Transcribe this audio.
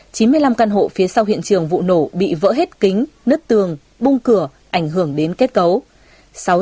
chín mươi năm căn hộ phía sau hiện trường vụ nổ bị vỡ hết kính nứt tường bung cửa ảnh hưởng đến kết cấu